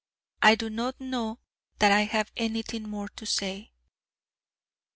I do not know that I have anything more to say."